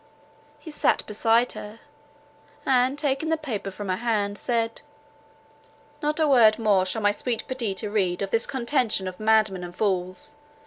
He sat beside her; and, taking the paper from her hand, said, "Not a word more shall my sweet Perdita read of this contention of madmen and fools.